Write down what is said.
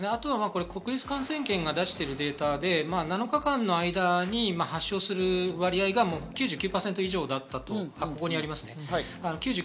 国立感染研が出しているデータで７日間の間に発症する割合が９９％以上だったとここにありますね。